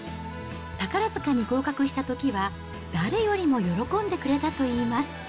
宝塚に合格したときは、誰よりも喜んでくれたといいます。